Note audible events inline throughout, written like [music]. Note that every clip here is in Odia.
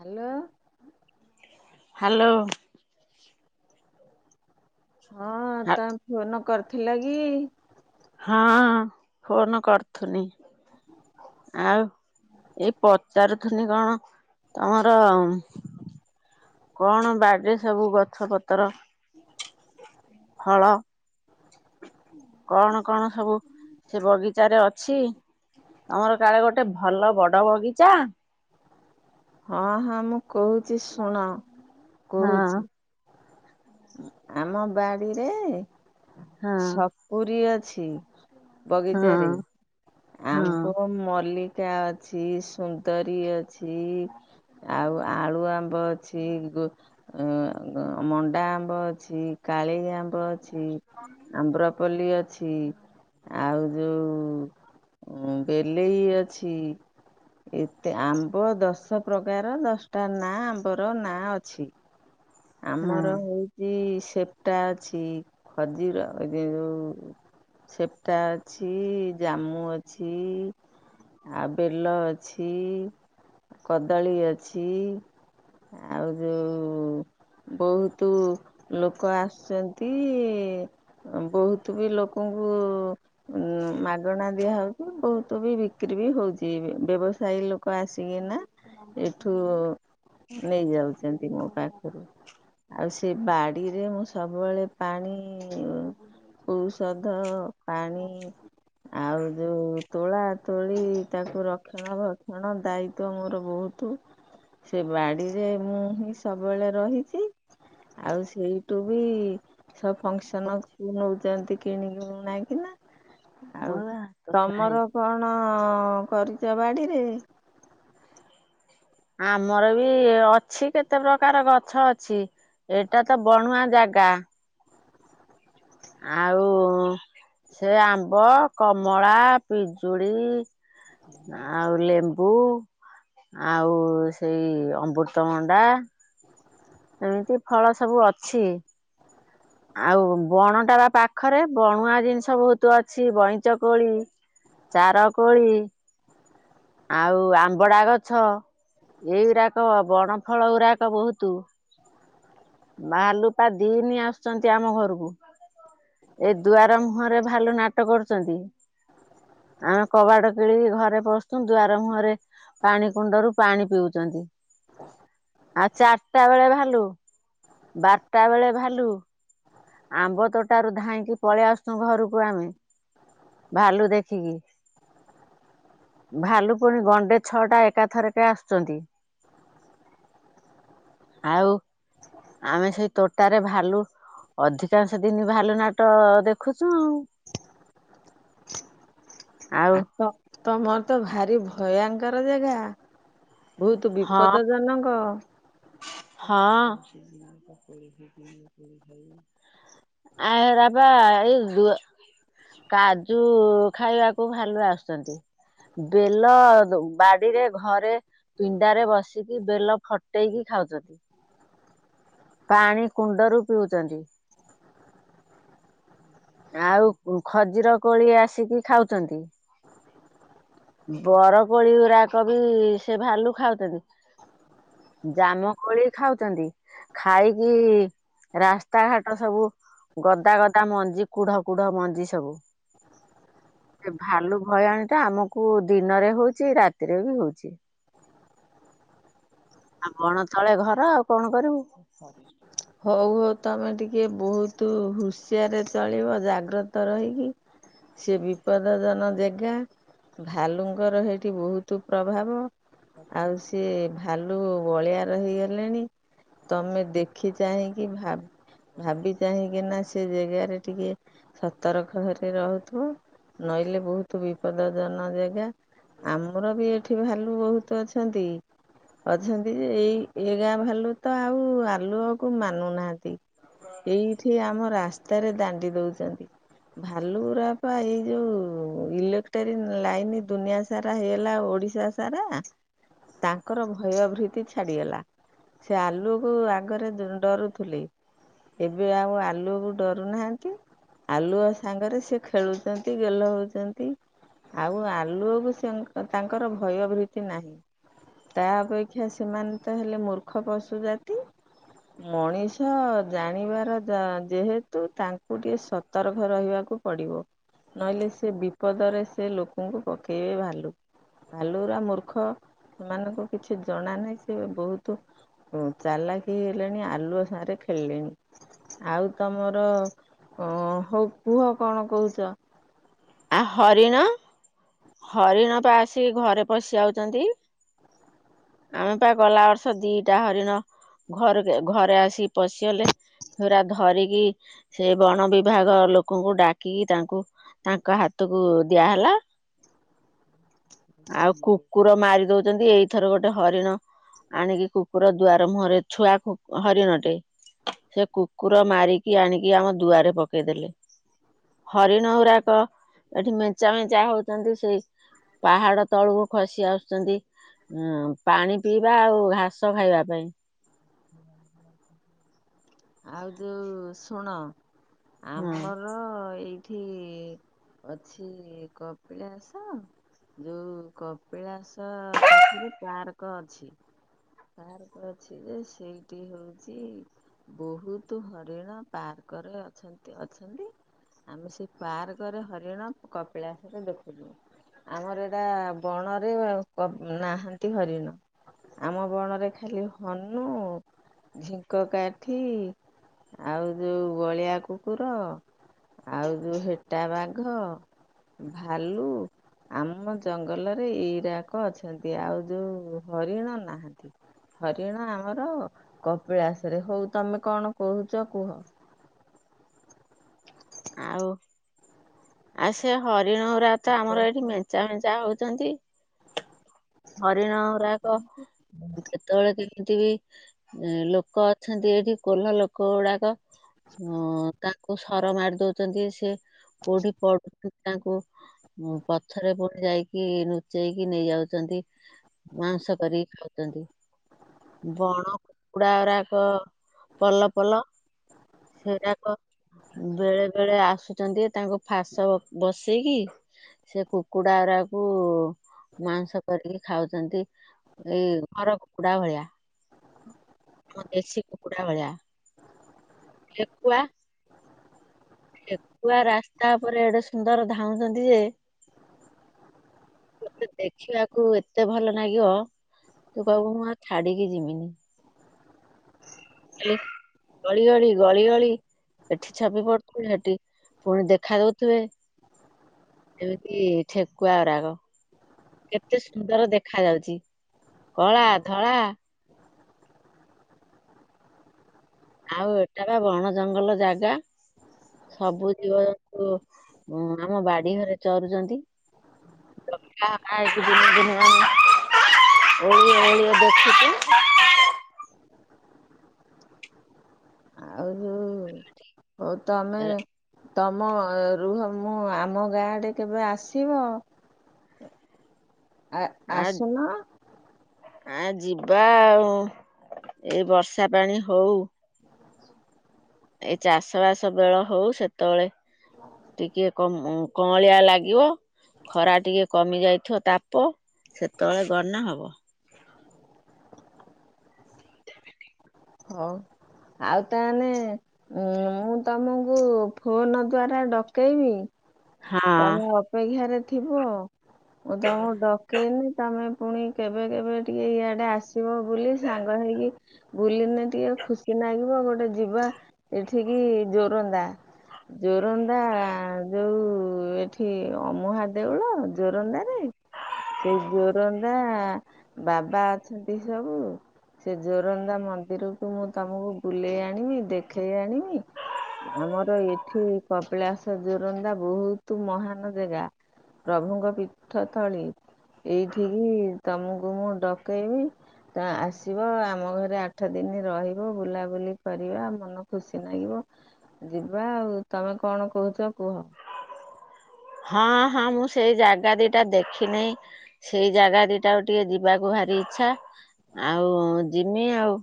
ହ୍ୟାଲୋ ହ୍ୟାଲୋ ହଁ ତମ ଫୋନ୍ କରି ଥିଲ କି? ହଁ ଫୋନ୍ କରୁଥୁନି ଆଉ ଏଇ ପଚାରୁଥନି କଣ ତମର କଣ ବାଡିରେ ସବୁ ଗଛ ପତ୍ର ପତ୍ର ଫଳ କଣ କଣ ସବୁ ସେ ବଗିଚାରେ ଅଛି ତମର କାଳେ ଗୋଟେ ଭଲ ବଡ ବଗିଚା ହଁ ହଁ ମୁଁ କହୁଛି ଶୁଣ ହଁ କହୁଛି ଆମ ବାଡିରେ ହଁ ସପୁରୀ ଅଛି। [unintelligible] ହଁ ବଗିଚା ରେ ହଁ ଆମ୍ବ ମଲ୍ଲି [unintelligible] କା ଅଛି ସୁନ୍ଦରୀ ଅଛି ଆଉ ଆଳୁ ଆମ୍ବ ଅଛି ମଣ୍ଡା ଆମ୍ ଆମ୍ବ ଅଛି କାଳି ଆମ୍ବ ଅଛ ଅଛି ଆମର ପଲି ଅଛି ଆଉ ଯୋଉ ବେଲେଇ ଅଛି ଏତେ ଆମ୍ବ ଦଶ ପ୍ରକାର ଦଶଟା ନା ଆମ୍ବର ନା ଅଛି। ହଁ ଆମର ହଉଛି ସେପ୍ଟା ଅଛି ଖଜିୁର ଯେଉଁ ସେପ୍ଟା ଅଛି ଜାମୁ ଅଛି ଆଉ ବେଲ ଅଛି କଦଳୀ ଅଛି ଆଉ ଯୋଉ ବହୁତ ଲୋକ ଆସୁଛନ୍ତି ବହୁତ ବି ଲୋକଙ୍କୁ ମାଗଣା ଦିଆ ହଉଛି ବହୁତ ବି ବିକ୍ରି ବି ହଉଛି ବ୍ୟବସାୟୀ ଲୋକ ଆସିକିନା ଏଠୁ ନେଇଯାଉଛନ୍ତି ମୋ ପା ଆଉ ସେ ବାଡ଼ିରେ ମୁଁ ସବୁବେଳେ ପାଣି ଔଷଧ ପାଣି ଆଉ ଯୋଉ ତୋଳା ତୋଳି ତାକୁ ରକ୍ଷଣ ଭକ୍ଷଣ ଦାୟିତ୍ୱ ମୋର ବହୁତ ସେ ବାଡ଼ିରେ ମୁଁ ହିଁ ସବୁ ସବୁବେଳେ ରହିଛି ଆଉ ସେଇଠୁ ବି ସବୁ ଫଙ୍କସନ୍ କୁ ନଉଛନ୍ତି। କିଣିକି ନାଇକିନା। ଆଉ ମୋର ହାତ ଥୁଆ ତମର ହେଇଛି କଣ ହଁ କରିଛ ବାଡିରେ ଆମର ବି ଅଛି କେତେ ପ୍ରକାର ଗଛ ଅଛି ଏଇଟା ତ ବଣୁଆ ଜାଗା। ଆଉ ସେ ଆମ୍ବ କମଳା ପିଜୁଳି ଆଉ ଲେମ୍ବୁ ଆଉ ସେଇ ଅମୃତଭଣ୍ଡା ଏମିତି ଫଳ ସବୁ ଅଛି। ଆଉ ବଣଟା ବା ପାଖରେ ବଣୁଆ ଜିନିଷ ବହୁତ ଅଛି ବଇଁଚ କୋଳି ଚାର କୋଳି ଆଉ ଆମ୍ବଡା ଗଛ ଏଇଗୁଡାକ ବଣ ଫଳ ଗୁଡାକ ବହୁତ ଭାଲୁ ପା ଦିନି ଆସୁଛନ୍ତି ଆମ ଘରକୁ ଏ ଦୁଆର ମୁହଁରେ ଭାଲୁ ନାଟ କରୁଛନ୍ତି ଆମେ କବାଡ କିଳିିକି ଘରେ ପ ଦୁଆର ମୁହଁରେ ପାଣି କୁଣ୍ଡରୁ ପାଣି ପିଉଛନ୍ତି ଆଉ ଚାରିଟା ବେଳେ ଭାଲୁ ବାରଟା ବେଳେ ଭାଲୁ ଆମ୍ବ ତୋଟାରୁ ଧାଇଁକି ପଳେଇ ଆସୁଛୁ ଘରକୁ ଆମେ ଭାଲୁ ଦେଖିକି ଭାଲୁ ପୁଣି ଗଣ୍ଡେ ଛଅ ଟା ଏକାଥରକେ ଆସୁଛନ୍ତି ଆଉ ଆମେ ସେଇ ତୋଟାରେ ଭାଲୁ ଅଧିକାଂଶ ଦିନ ଭାଲୁ ନାଟ ଦେଖୁଛୁ। ଆଉ ଆଉ [unintelligible] ତମର ତ ଭାରି ଭୟଙ୍କର ଜାଗା। ବହୁତ ହଁ ବିପଦ ଜନକ ହଁ ଆ ରାବା ଏଇ କାଜୁ ଖାଇବାକୁ ଭାଲୁ ଆସୁଛନ୍ତି ବେଲ ବାଡିରେ ଘରେ ପିଣ୍ଡାରେ ବସିକି ବେଲ ଫଟେଇକି ଖାଉଛନ୍ତି। ପାଣି କୁଣ୍ଡରୁ ପିଉଛନ୍ତି। ଆଉ ଖଜିର କୋଳି ଆସିକି ଖାଉଛନ୍ତି ବରକୋଳି ଗୁରାକ ବି ସେ ଭାଲୁ ଖାଉଛନ୍ତି ଜାମ କୋଳି ଖାଉଛନ୍ତି ଖାଇକି ରାସ୍ତାଘାଟ ସବୁ ଗଦା ଗଦା ମଞ୍ଜି କୁଢ କୁଢ ମଞ୍ଜି ସବୁ ସେ ଭାଲୁ ଭୟାଣୀ ଟା ଆମକୁ ଦିନରେ ହଉଛି ରାତିରେ ବି ହଉଛି ଆପଣ ତଳେ ଘର ଆଉ କଣ କରିବୁ? ହଉ ହଉ ତମେ ଟିକେ ବହୁତ ହୁସିିଆରେ ଚଳିବ ଜାଗ୍ରତ ରହିକି ସେ ବିପଦଜନ ଜାଗା ଭାଲୁଙ୍କର ଏଇଠି ବହୁତ ପ୍ରଭାବ ଆଉ ସିଏ ଭାଲୁ ଵଳିଆର ହେଇଗଲେଣି ତମେ ଦେ ଦେଖିଚାହିଁ କି ଭା ଭାବି ଚାହିଁକି ନାଁ ସେ ଜାଗାରେ ଟିକେ ସତରକ ରେ ରହୁଥିବ ନହିଲେ ବହୁତ ବିପଦଜନକ ଜାଗା ଆମର ବି ଠି ଭାଲୁ ବହୁତ ଅଛନ୍ତି। ଅଛନ୍ତି ଯେ ଏଇ ଏ ଗାଁ ଭାଲୁ ତ ଆଉ ଆଲୁଅକୁ ମାନୁ ନାହାନ୍ତି। ଏଇଠି ଆମ ରାସ୍ତା ତାରେ ଦାଣ୍ଡି ଦଉଛନ୍ତି ଭାଲୁୁରାପା ଏଇ ଯୋଉଁ ଇଲେକ୍ଟ୍ରିକ ଲାଇନ ଦୁନିଆ ସାରା ହେଲା ଓଡିଶା ସାରା ତାଙ୍କର ଭୟଭୀତି ଛାଡିଗଲା ସେ ଆଲୁଅକୁ ଙ୍କରେ ଡରୁଥିଲେ ଏବେ ଆଉ ଆଲୁଅକୁ ଡରୁ ନାହାନ୍ତି ଆଲୁଅ ସାଙ୍ଗରେ ସେ ଖେଳୁଛନ୍ତି ଗେଲ ହଉଛନ୍ତି ଆଉ ଆଲୁଅକୁ ସେ ତାଙ୍କର ଭୟଭୀତି ନାହିଁ ତା ଅପେକ୍ଷା ସେମାନେ ତ ହେଲେ ମୂର୍ଖ ପଶୁ ଜାତି ମଣିଷ ଜାଣିବାର ଯେହେତୁ ତାଙ୍କୁ ଟିକେ ସତର୍କ ରହିବାକୁ ପଡିବ ନହେଲେ ସେ ବିପଦରେ ସେ ଲୋକଙ୍କୁ ପକେଇବେ ଭାଲୁ ଭାଲୁୁଗୁଡ଼ା ମୂର୍ଖ ସେମାନଙ୍କୁ କିଛି ଜଣା ନାହିଁ ସେ ବହୁତ ଚାଲାକ ହେଲେଣି ଆଲୁଅ ସାରେ ଖେଳିଲେଣି ଆଉ ତମର ହଉ କୁହ କଣ କହୁଛ? ଆ ହରିଣ ହରିଣ ପା ଆସିି ଘରେ ପଶି ଯାଉଛନ୍ତି ଆମେ ପା ଗଲା ବର୍ଷ ଦିଟା ହରିଣ ଘରେ ଘରେ ଆସିିକି ପଶିଗଲେ ପୁରା ଧରିକି ସେ ବନ ବିଭାଗ ଲୋକଙ୍କୁ ଡାକିକି ତାଙ୍କୁ ତାଙ୍କ ହାତକୁ ଦିଆହେଲା ଆଉ କୁକୁର ମାରି ଦଉଛନ୍ତି ଏଇଥର ଗୋଟେ ହରିଣ ଆଣିକି କୁକୁର ଦୁଆର ମୁହଁରେ ଛୁଆ ହରିଣଟେ ସେ କୁକୁର ମାରିକି ଆଣିକି ଆମ ଦୁଆରେ ପକେଇଦେଲେ ହରିଣ ଏଠି ମେଞ୍ଚା ମେଞ୍ଚା ହଉଛନ୍ତି ସେଇ ପାହାଡ ତଳକୁ ଖସି ଆସୁଛନ୍ତି ଅ ପାଣି ପିଇ ଯିବା ଆଉ ଘାସ ଖାଇବା ପାଇଁ। ଆଉ ଯୋଉଁ ଶୁଣ। ହଁ ଆମର ଏଇ ଏଠି ଅଛି କପିଳାସ ଯୋଉଁ କପିଳାସ ପାଖରେ ପାର୍କ ଅଛି ପାର୍କ ଅଛି ଯେ ସେଇ ସେଠି ହେଉଛି ବହୁତ ହରିଣ ପାର୍କରେ ଅଛନ୍ତି ଅଛନ୍ତି ଆମେ ସେ ପାର୍କରେ ହରିଣ କପିଳାସରେ ଦେଖୁିଲୁ ଆମର ଏଇଟା ବଣରେ ନାହାନ୍ତି ହରିଣ ଆମ ବଣରେ ଖାଲି ହନୁ ଝିଙ୍କ କାଠି ଆଉ ଯୋଉଁ ଗଳିଆ କୁକୁର ଆଉ ଯୋଉଁ ହେଟା ବାଘ ଭାଲୁ ଆମ ଜଙ୍ଗଲରେ ଏଇରାକ ଅଛନ୍ତି। ଆଉ ଯୋଉ ହରିଣ ନାହାନ୍ତି। ହରିଣ ଆମର କପିଳାସରେ ହଉ ତମେ କଣ କହୁଛ କୁହ? ଆଉ ଆଉ ସେ ହରେ [inaudible] ତ ଆମର ଏଠି ମେଞ୍ଚା ମେଞ୍ଚା ହୋଉଛି। ଛନ୍ତି ହରିଣ ରାକ କେତେବେଳେ କେ ଏମିତି ବି ଲୋକ ଅଛନ୍ତି ଏଠି କୋଲ ଲୋକ ଗୁଡାକ ହଁ ତାଙ୍କୁ ସର ମାରି ଦଉଛନ୍ତି ସେ କୋଡ଼ି ପ ତାଙ୍କୁ ପଛରେ ପୁଣି ଯାଇକି ଲୁଚେଇକି ନେଇଆଉଛନ୍ତି ମାଂସ କରିକି ଖାଉଛନ୍ତି ବଣ କୁକୁଡା ଗୁଡାକ ପଲ ପଲ ସେରାକ ବେଳେ ବେଳେ ଆସୁଛନ୍ତି ତାଙ୍କୁ ଫାସ ବସେଇକି ସେ କୁକୁଡ଼ା ରାକୁ ମାଂସ କରିକି ଖାଉଛନ୍ତି ଏଇ ଘର କୁକୁଡା ଭଳିଆ। ଦେଶୀ କୁକୁଡ଼ା ଭଳିଆ। ଠେକୁଆ ଠେକୁଆ ରାସ୍ତା ଉପରେ ଏଡେ ସୁନ୍ଦର ଧାଉଛନ୍ତି ଯେ ତତେ ଦେଖିବାକୁ ଏତେ ଭଲ ଲାଗିବ ତୁ କହିବୁ ମୁଁ ଆଉ ଛାଡିକି ଯିବିନି [unintelligible] ଗଳିଗଳି ଗଳି ଗଳି ଏଠି ଛପି ପଡୁ ପୁଣି ସେଠି ପୁଣି ଦେଖା ଦଉଥିବେ ଏମିତି ଠେକୁଆ ଗୁଡାକ କେତେ ସୁନ୍ଦର ଦେଖା ଯାଉଛି କଳା ଧଳା ଆଉ ଏଟା ବା ବଣ ଜଙ୍ଗଲ ଜାଗା ସବୁ ଜୀବଜନ୍ତୁ ଆମ ବାଡି ଘରେ ଚରୁଛନ୍ତି [unintelligible] ଦେଖୁଛି। ଆଉ ଯୋଉ ହୋଉ ତମେ ତମ ରୁହ ମୁଁ ଆମ ଗାଁଆଡେ କେବେ ଆସିବ? ଆ ଆସୁନ। ଆ ଯିବା ଆଉ ଏଇ ବର୍ଷା ପାଣି ହଉ ଏ ଚାଷ ବାସ ବେଳ ହଉ ସେତେବେଳେ ଟିକେ କଅଁଳିଆ ଲାଗିବ ଖରା ଟିକେ କମି ଯାଇଥିବ ତାପ ସେତେବେଳେ ଗନେ ହବ। ହଁ ଆଉ ତାହେଲେ ମୁଁ ତମକୁ ଫୋନ ଦ୍ଵାରା ଡକେଇବି। ହଁ ତମେ ଅପେକ୍ଷାରେ ଥିବ ମୁଁ ତମକୁ ଡକେଇନି ତମେ ପୁଣି କେବେ କେବେ ଟିକେ ଇଆଡେ ଆସିବ ବୋଲି ସାଙ୍ଗ ହେଇକି ବୁଲି ନେ ଟିକେ ଖୁସି ଲାଗିବ ଗୋଟେ ଯିବା ଏଠିକି ଜୋରନ୍ଦା ଜୋରନ୍ଦା ଯୋଉ ଏଠି ଅମୁହା ଦେଉଳ ଜୋରନ୍ଦା ରେ ସେ ଜୋରନ୍ଦା ବାବା ଅଛନ୍ତି ସବୁ ସେ ଜୋରନ୍ଦା ମନ୍ଦିର ମୁଁ ତମକୁ ବୁଲେଇ ଆଣିବି ଦେଖେଇ ଆଣିବି ଆମର ଏଠି କପିଳାସ ଜୋରନ୍ଦା ବହୁତ ମହାନ ଜାଗା ପ୍ରଭୁଙ୍କ ପୀଠଥଳିୀ ଏଇଠିକି ତମକୁ ମୁଁ ଡକେଇବି ଆସିବ ଆମ ଘରେ ଆଠ ଦିନ ରହିବ ବୁଲାବୁଲି କରିବା ମନ ଖୁସି ଲାଗିବ ଯିବା ଆଉ ତମେ କଣ କହୁଛ କୁହ? ହଁ ହଁ ମୁଁ ସେଇ ଜାଗା ଦିଟା ଦେଖିନେଇ ସେଇ ଜାଗା ଦିଟା ଆ ଟିକେ ଯିବାକୁ ଭାରି ଇଛା ଆଉ ଜିମି ଆଉ।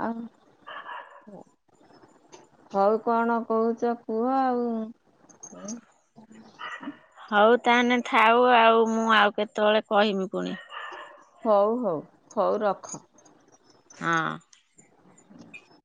ଆଉ ହଉ କଣ କହୁଛ କୁହ ଆଉ ହଉ ତାହେଲେ ଥାଉ ଆଉ ମୁଁ ଆଉ କେତେବେଳେ କହମି ପୁଣି। ହଉ ହଉ ହଉ ରଖ। ହଁ